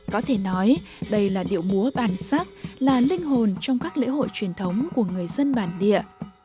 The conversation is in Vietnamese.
có thể nói đây là điệu múa bản sắc là linh hồn trong các lễ hội truyền thống của người dân bản địa